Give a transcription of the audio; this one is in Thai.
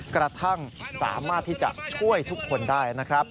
กระทั่งสามารถที่จะช่วยทุกคนได้นะครับ